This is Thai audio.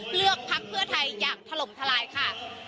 เลือกพักเพื่อไทยอย่างถล่มทลายค่ะ